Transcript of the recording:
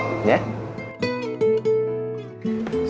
sebelum kita naikin